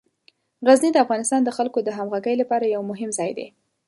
غزني د افغانستان د خلکو د همغږۍ لپاره یو مهم ځای دی.